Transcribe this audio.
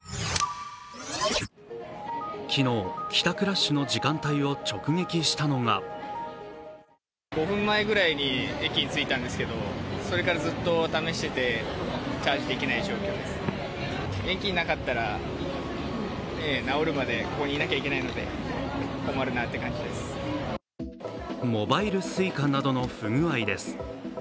昨日、帰宅ラッシュの時間帯を直撃したのがモバイルＳｕｉｃａなどの不具合です